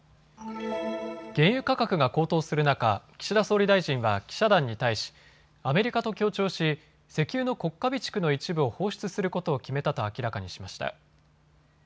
原油価格が高騰する中、岸田総理大臣は記者団に対しアメリカと協調し石油の国家備蓄の一部を放出することを決めたと明らかにしました。